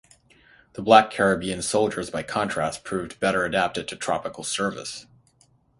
The black Caribbean soldiers by contrast proved better adapted to tropical service.